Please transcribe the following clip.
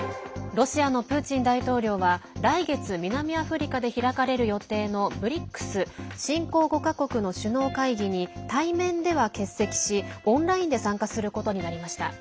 ロシアのプーチン大統領は来月、南アフリカで開かれる予定のＢＲＩＣＳ＝新興５か国の首脳会議に対面では欠席し、オンラインで参加することになりました。